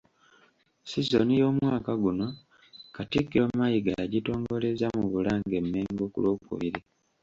Sizoni y’omwaka guno, Katikkiro Mayiga yagitongolezza mu Bulange – Mmengo ku Lwokubiri.